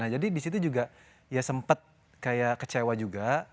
nah jadi disitu juga ya sempat kayak kecewa juga